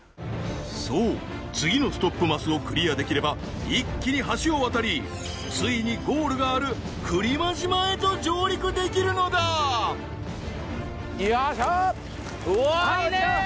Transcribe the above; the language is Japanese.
そう次のストップマスをクリアできれば一気に橋を渡りついにゴールがある来間島へと上陸できるのだよいしょ！